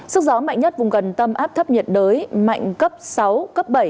sức gió mạnh nhất vùng gần tâm áp thấp nhiệt đới mạnh cấp sáu cấp bảy